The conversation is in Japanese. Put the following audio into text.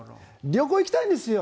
旅行、行きたいんですよ